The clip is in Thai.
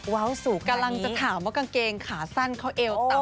ว้าวสูงค่ะนี้กำลังจะถามว่ากางเกงขาสั้นเขาเอลต่ำ